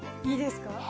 いいですか？